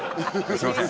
すみません。